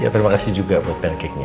terima kasih juga buat pancake nya